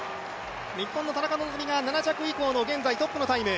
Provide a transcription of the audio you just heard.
日本の田中希実が７着以降の現在、トップのタイム。